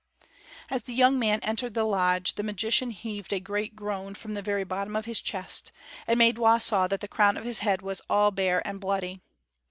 As the young man entered the lodge, the magician heaved a great groan from the very bottom of his chest, and Maidwa saw that the crown of his head was all bare and bloody.